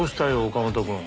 岡本君。